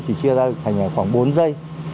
chỉ chia ra thành khoảng bốn dây